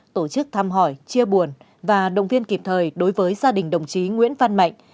tổ chức thăm hỏi chia buồn và động viên kịp thời đối với gia đình đồng chí nguyễn văn mạnh